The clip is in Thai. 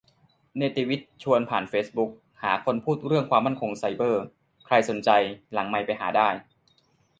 เนติวิทย์ชวนผ่านเฟซบุ๊ก หาคนพูดเรื่องความมั่นคงไซเบอร์ ใครสนใจหลังไมค์ไปหาได้